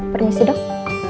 letak keseluruhan teman lu